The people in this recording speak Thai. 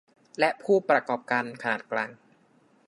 และผู้ประกอบการขนาดกลาง